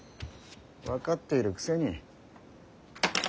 分かっているくせに。